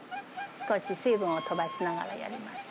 少し水分を飛ばしながらやります。